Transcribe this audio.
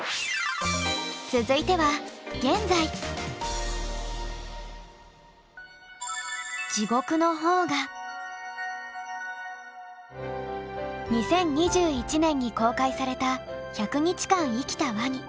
続いては２０２１年に公開された「１００日間生きたワニ」。